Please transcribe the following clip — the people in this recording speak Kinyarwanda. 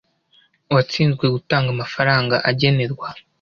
watsinzwe gutanga amafaranga agenerwa